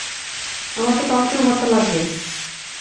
আমার তো টমেটোর ভর্তা লাগবে।